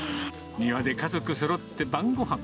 庭で家族そろって晩ごはん。